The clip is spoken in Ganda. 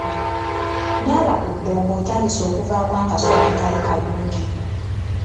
Nnaaba ku bbombo otandise okuvaamu akasu akatali kalungi.